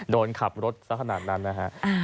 โดนขับรถสักขนาดนั้นนะฮะ